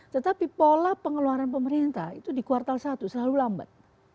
tetapi pola pengeluaran pemerintah itu di kuartal satu selalu lambat